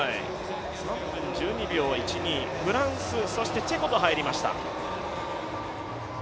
３分１２秒１２、フランス、チェコと入りました。